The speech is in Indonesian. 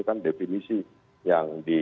kan definisi yang